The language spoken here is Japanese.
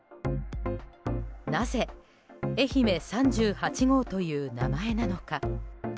なぜ、愛媛３８号という名前なのか。